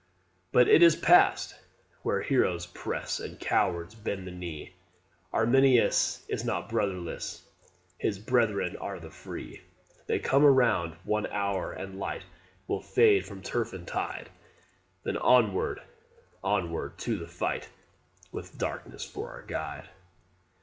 "But it is past! where heroes press And cowards bend the knee Arminius is not brotherless; His brethren are the free. They come around: one hour, and light Will fade from turf and tide, Then onward, onward to the fight With darkness for our guide.